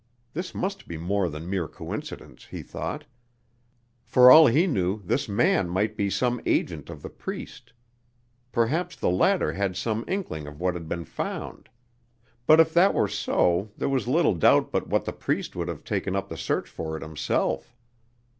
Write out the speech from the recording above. This must be more than mere coincidence, he thought. For all he knew, this man might be some agent of the priest. Perhaps the latter had some inkling of what had been found. But if that were so, there was little doubt but what the priest would have taken up the search for it himself.